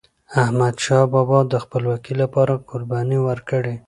احمدشاه بابا د خپلواکی لپاره قرباني ورکړې.